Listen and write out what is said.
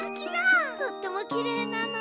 とってもきれいなのだ。